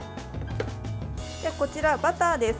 こちら、バターです。